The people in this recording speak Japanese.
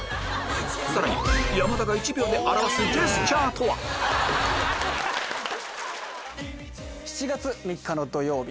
さらに山田が１秒で表すジェスチャーとは⁉ぜひご覧ください。